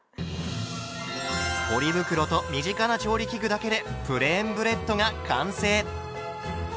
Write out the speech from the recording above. ポリ袋と身近な調理器具だけでプレーンブレッドが完成。